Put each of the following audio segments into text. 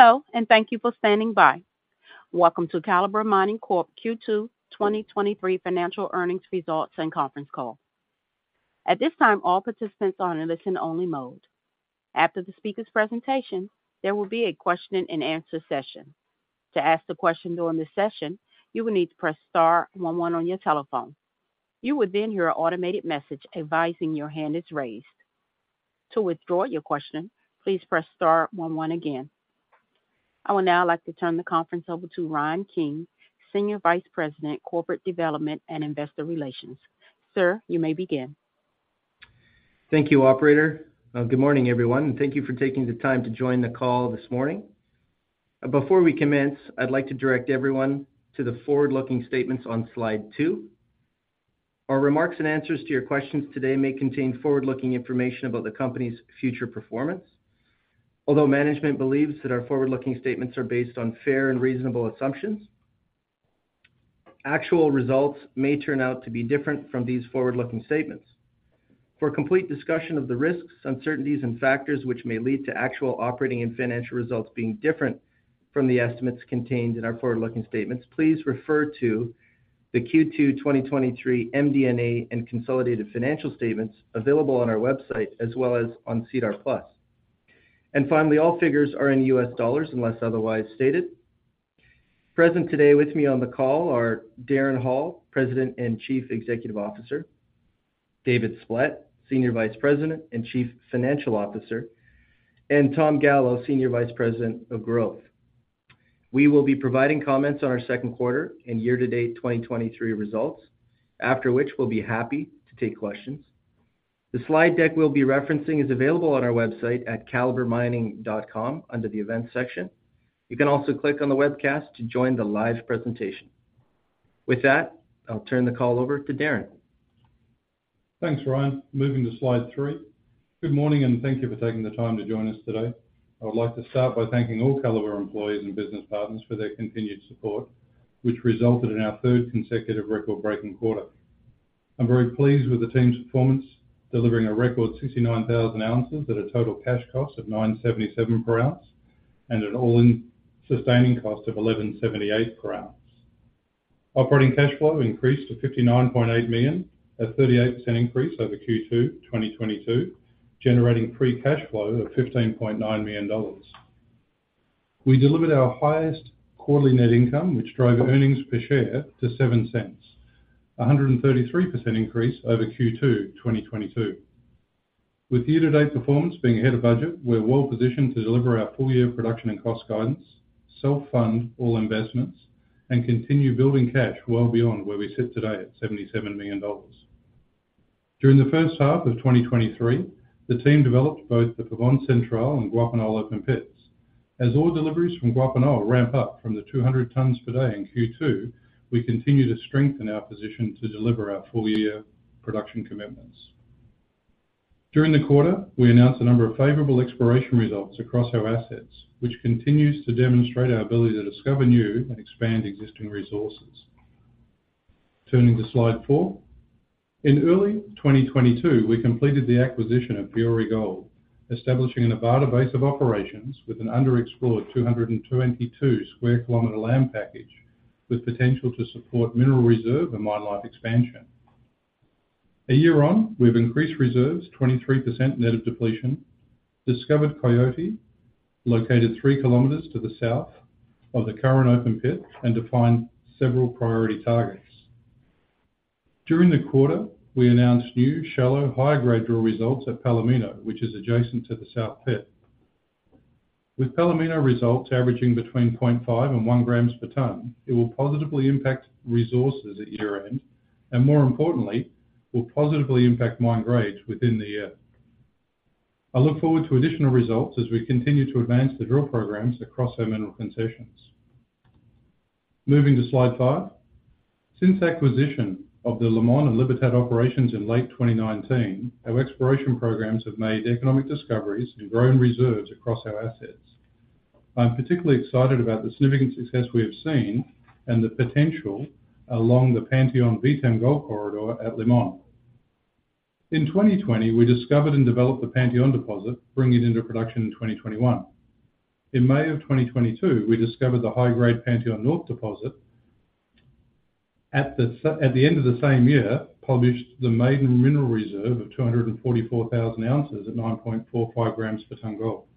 Hello, and thank you for standing by. Welcome to Calibre Mining Corp Second Quarter 2023 Financial Earnings Results and Conference Call. At this time, all participants are in listen-only mode. After the speaker's presentation, there will be a question-and-answer session. To ask the question during the session, you will need to press star one, one on your telephone. You will then hear an automated message advising your hand is raised. To withdraw your question, please press star one, one again. I would now like to turn the conference over to Ryan King, Senior Vice President, Corporate Development and Investor Relations. Sir, you may begin. Thank you, operator. Good morning, everyone. Thank you for taking the time to join the call this morning. Before we commence, I'd like to direct everyone to the forward-looking statements on slide two. Our remarks and answers to your questions today may contain forward-looking information about the company's future performance. Although management believes that our forward-looking statements are based on fair and reasonable assumptions, actual results may turn out to be different from these forward-looking statements. For a complete discussion of the risks, uncertainties, and factors which may lead to actual operating and financial results being different from the estimates contained in our forward-looking statements, please refer to the second quarter 2023 MD&A and consolidated financial statements available on our website as well as on SEDAR+. Finally, all figures are in US dollars unless otherwise stated. Present today with me on the call are Darren Hall, President and Chief Executive Officer, David Splett, Senior Vice President and Chief Financial Officer, and Tom Gallo, Senior Vice President of Growth. We will be providing comments on our second quarter and year-to-date 2023 results, after which we'll be happy to take questions. The slide deck we'll be referencing is available on our website at calibremining.com, under the Events section. You can also click on the webcast to join the live presentation. With that, I'll turn the call over to Darren. Thanks, Ryan. Moving to slide three. Good morning, thank you for taking the time to join us today. I would like to start by thanking all Calibre employees and business partners for their continued support, which resulted in our third consecutive record-breaking quarter. I'm very pleased with the team's performance, delivering a record 69,000 ounces at a Total Cash Cost of $977 per ounce and an All-In Sustaining Cost of $1,178 per ounce. operating cash flow increased to $59.8 million, a 38% increase over second quarter 2022, generating Free Cash Flow of $15.9 million. We delivered our highest quarterly net income, which drove Earnings Per Share to $0.07, a 133% increase over second quarter 2022. With year-to-date performance being ahead of budget, we're well positioned to deliver our full-year production and cost guidance, self-fund all investments, and continue building cash well beyond where we sit today at $77 million. During the first half of 2023, the team developed both the Pavón Central and Guapinol open pits. As all deliveries from Guapinol ramp up from the 200 tons per day in second quarter, we continue to strengthen our position to deliver our full-year production commitments. During the quarter, we announced a number of favorable exploration results across our assets, which continues to demonstrate our ability to discover new and expand existing resources. Turning to slide four. In early 2022, we completed the acquisition of Fiore Gold, establishing a Nevada base of operations with an underexplored 222 sq km land package, with potential to support mineral reserve and mine life expansion. A year on, we've increased reserves 23% net of depletion, discovered Coyote, located 3 km to the south of the current open pit, and defined several priority targets. During the quarter, we announced new shallow, high-grade drill results at Palomino, which is adjacent to the south pit. With Palomino results averaging between 0.5 and 1 grams per ton, it will positively impact resources at year-end, and more importantly, will positively impact mine grades within the year. I look forward to additional results as we continue to advance the drill programs across our mineral concessions. Moving to slide five. Since acquisition of the Limón and Libertad operations in late 2019, our exploration programs have made economic discoveries and grown reserves across our assets. I'm particularly excited about the significant success we have seen and the potential along the Panteón VTEM Gold Corridor at Limón. In 2020, we discovered and developed the Panteón deposit, bringing it into production in 2021. In May of 2022, we discovered the high-grade Panteón North deposit. At the end of the same year, published the maiden mineral reserve of 244,000 ounces at 9.45 grams per ton gold.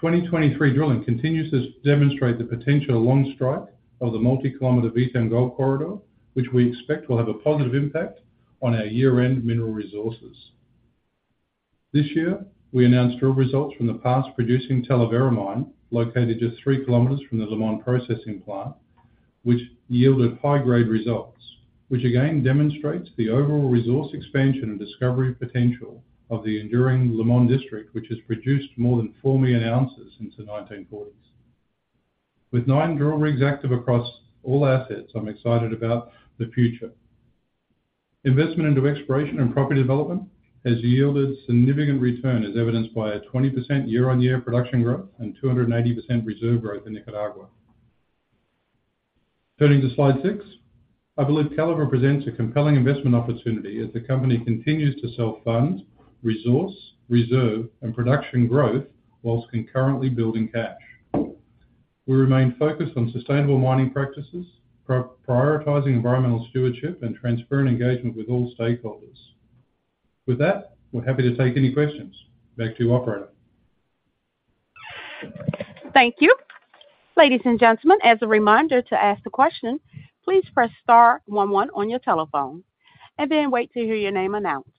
2023 drilling continues to demonstrate the potential long strike of the multi-kilometer VTEM Gold Corridor, which we expect will have a positive impact on our year-end mineral resources. This year, we announced drill results from the past-producing Talavera mine, located just 3 km from the Limón processing plant, which yielded high-grade results, which again demonstrates the overall resource expansion and discovery potential of the enduring Limón District, which has produced more than 4 million ounces since the 1940s. With nine drill rigs active across all assets, I'm excited about the future. Investment into exploration and property development has yielded significant return, as evidenced by a 20% year-on-year production growth and 280% reserve growth in Nicaragua. Turning to slide six. I believe Calibre presents a compelling investment opportunity as the company continues to self-funds, resource, reserve, and production growth, whilst concurrently building cash. We remain focused on sustainable mining practices, prioritizing environmental stewardship, and transparent engagement with all stakeholders. With that, we're happy to take any questions. Back to you, operator. Thank you. Ladies and gentlemen, as a reminder to ask the question, please press star one, one on your telephone, and then wait to hear your name announced.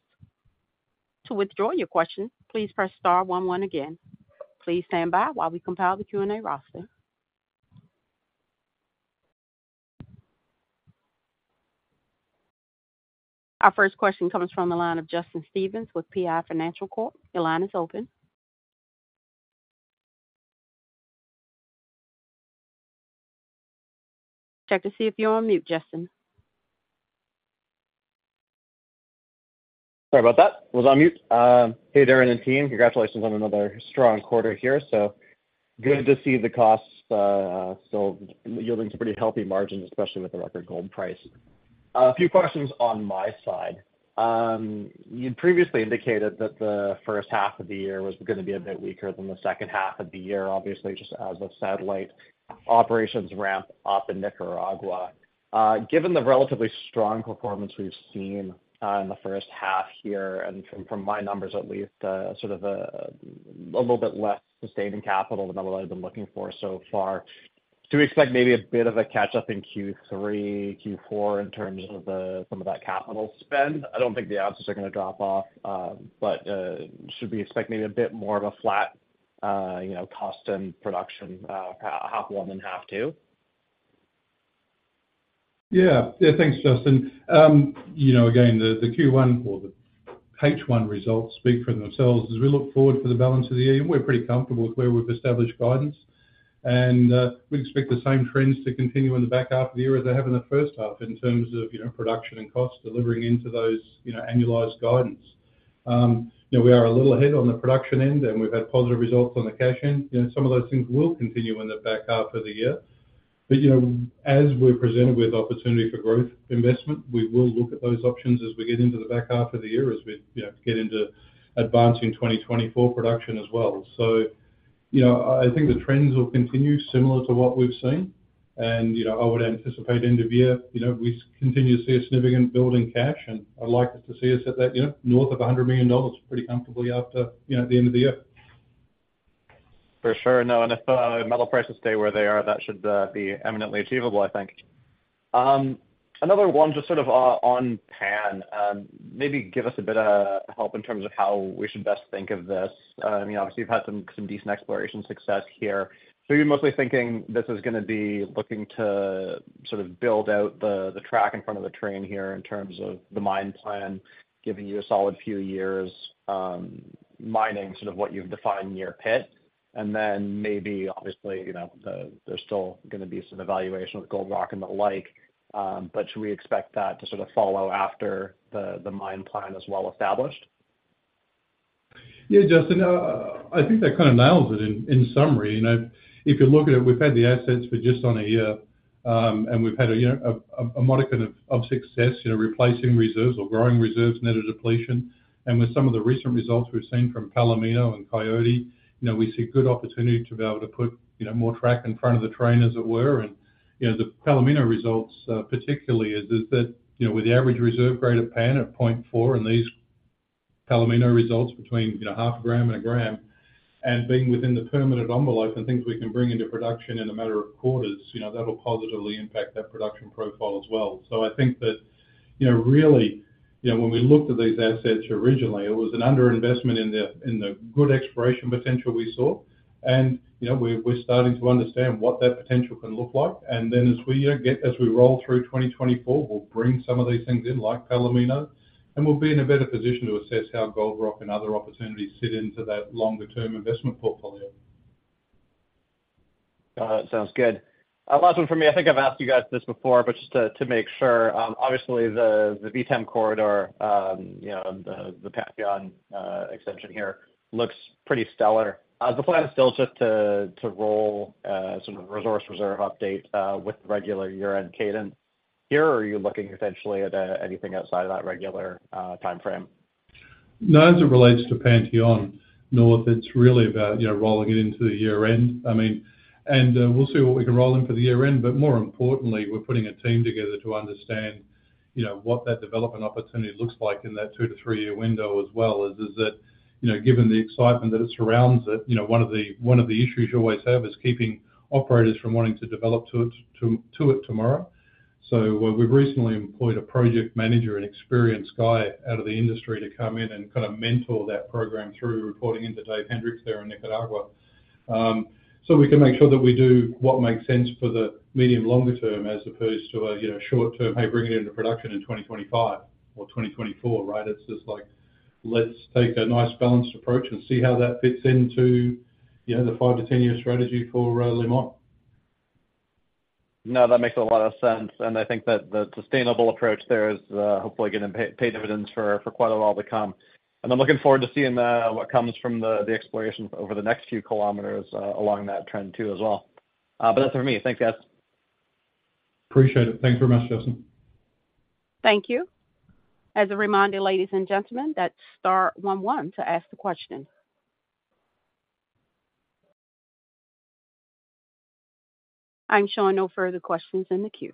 To withdraw your question, please press star one, one again. Please stand by while we compile the Q&A roster. Our first question comes from the line of Justin Stevens with PI Financial Corp. Your line is open. Check to see if you're on mute, Justin. Sorry about that. Was on mute. Hey there, and the team. Congratulations on another strong quarter here. Good to see the costs still yielding some pretty healthy margins, especially with the record gold price. A few questions on my side. You previously indicated that the first half of the year was gonna be a bit weaker than the second half of the year, obviously, just as the satellite operations ramp up in Nicaragua. Given the relatively strong performance we've seen in the first half here, and from, from my numbers at least, sort of a little bit less sustaining capital than what I've been looking for so far, do we expect maybe a bit of a catch-up in third quarter, fourth quarter, in terms of the, some of that capital spend? I don't think the ounces are gonna drop off, but, should we expect maybe a bit more of a flat, you know, cost and production, half one and half two? Yeah. Yeah, thanks, Justin. You know, again, the, the first quarter or the first half results speak for themselves. As we look forward for the balance of the year, we're pretty comfortable with where we've established guidance. We expect the same trends to continue in the back half of the year as they have in the first half, in terms of, you know, production and cost, delivering into those, you know, annualized guidance. You know, we are a little ahead on the production end, and we've had positive results on the cash end. You know, some of those things will continue in the back half of the year. You know, as we're presented with opportunity for growth investment, we will look at those options as we get into the back half of the year, as we, you know, get into advancing 2024 production as well. You know I think the trends will continue similar to what we've seen. you know, I would anticipate end of year, you know, we continue to see a significant build in cash, and I'd like us to see us at that, you know, north of $100 million pretty comfortably after, you know, the end of the year. For sure. If metal prices stay where they are, that should be eminently achievable, I think. Another one, just sort of, on Pan. Maybe give us a bit of help in terms of how we should best think of this. I mean, obviously, you've had some, some decent exploration success here. You're mostly thinking this is gonna be looking to sort of build out the, the track in front of the train here, in terms of the mine plan, giving you a solid few years, mining sort of what you've defined in your pit. Then maybe, obviously, you know, the, there's still gonna be some evaluation with Gold Rock and the like, should we expect that to sort of follow after the, the mine plan is well established? Yeah, Justin, I think that kind of nails it in summary. You know, if you look at it, we've had the assets for just on a year, and we've had a year, a modicum of success, you know, replacing reserves or growing reserves, net of depletion. With some of the recent results we've seen from Palomino and Coyote, you know, we see good opportunity to be able to put, you know, more track in front of the train, as it were. you know, the Palomino results, particularly is, is that, you know, with the average reserve grade of Pan at 0.4, and these Palomino results between, you know, half a gram and 1 gram, and being within the permanent envelope and things we can bring into production in a matter of quarters, you know, that'll positively impact that production profile as well. I think that, you know, really, you know, when we looked at these assets originally, it was an underinvestment in the, in the good exploration potential we saw. You know, we're, we're starting to understand what that potential can look like. then as we, you know, as we roll through 2024, we'll bring some of these things in, like Palomino, and we'll be in a better position to assess how Gold Rock and other opportunities fit into that longer-term investment portfolio. Sounds good. Last one from me. I think I've asked you guys this before, but just to make sure. Obviously, the VTEM corridor, you know, the Panteón extension here looks pretty stellar. The plan is still just to roll sort of resource reserve update with regular year-end cadence here, or are you looking potentially at anything outside of that regular timeframe? No, as it relates to Panteón North, it's really about, you know, rolling it into the year end. I mean, we'll see what we can roll in for the year end. More importantly, we're putting a team together to understand, you know, what that development opportunity looks like in that two to three year window as well, given the excitement that it surrounds it, you know, one of the, one of the issues you always have is keeping operators from wanting to develop to it tomorrow. We've recently employed a project manager and experienced guy out of the industry to come in and kind of mentor that program through, reporting into David Hendricks there in Nicaragua. We can make sure that we do what makes sense for the medium longer term, as opposed to a, you know, short term, hey, bring it into production in 2025 or 2024, right? It's just like, let's take a nice balanced approach and see how that fits into, you know, the five to 10-year strategy for Limón. No, that makes a lot of sense, and I think that the sustainable approach there is, hopefully gonna pay, pay dividends for, for quite a while to come. I'm looking forward to seeing, what comes from the, the exploration over the next few kilometers, along that trend too, as well. That's it for me. Thanks, guys. Appreciate it. Thanks very much, Justin. Thank you. As a reminder, ladies and gentlemen, that's star one, one to ask the question. I'm showing no further questions in the queue.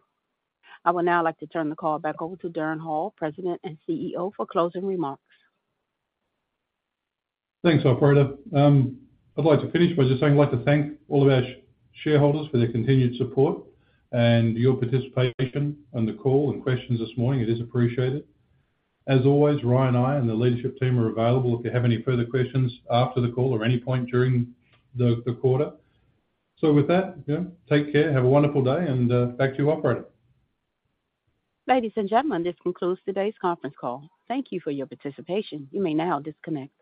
I would now like to turn the call back over to Darren Hall, President and CEO, for closing remarks. Thanks, operator. I'd like to finish by just saying I'd like to thank all of our shareholders for their continued support and your participation on the call and questions this morning. It is appreciated. As always, Ryan and I and the leadership team are available if you have any further questions after the call or any point during the, the quarter. With that, you know, take care. Have a wonderful day, and back to you, operator. Ladies and gentlemen, this concludes today's conference call. Thank you for your participation. You may now disconnect.